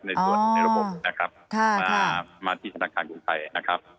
ในระบบนี้นะครับมาที่ธนาคารกรุงไทยนะครับ